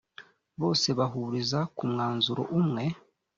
bose bahuriza ku mwanzuro umwe